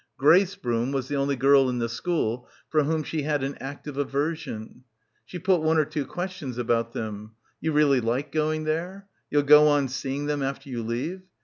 Grace Broom was the only girl in the school for whom she had an active aversion. She put one or two questions about them, 'You really like going there *?' 'You'll go on seeing them after you leave?'